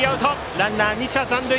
ランナー２者残塁。